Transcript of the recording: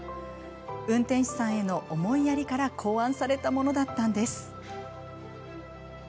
運転手さんへの思いやりから考案されたものだったんです。